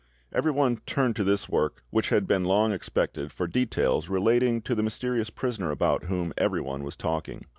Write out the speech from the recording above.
Everyone turned to this work, which had been long expected, for details relating to the mysterious prisoner about whom everyone was talking.